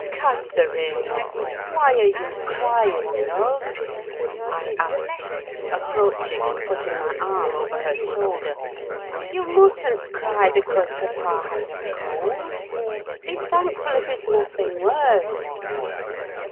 "Catherine, why are you crying, love?" I asked, approaching and putting my arm over her shoulder. "You mustn't cry because papa has a cold; be thankful it is nothing worse."